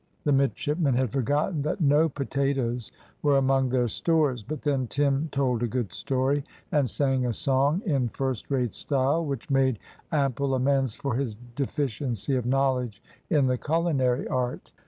The midshipmen had forgotten that no potatoes were among their stores; but then Tim told a good story and sang a song in first rate style, which made ample amends for his deficiency of knowledge in the culinary art.